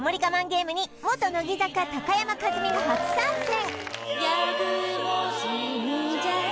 ゲームに元乃木坂高山一実が初参戦